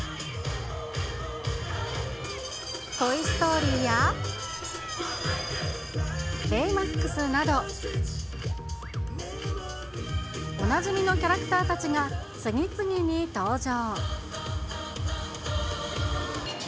トイ・ストーリーや、ベイマックスなど、おなじみのキャラクターたちが、次々に登場。